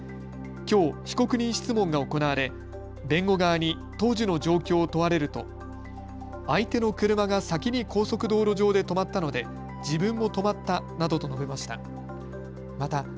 きょう被告人質問が行われ弁護側に当時の状況を問われると相手の車が先に高速道路上で止まったので自分も止まったなどと述べました。